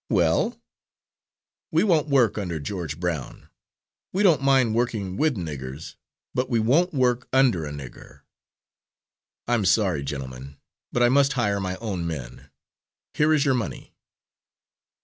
"Well?" "We won't work under George Brown. We don't mind working with niggers, but we won't work under a nigger." "I'm sorry, gentlemen, but I must hire my own men. Here is your money."